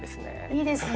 いいですね。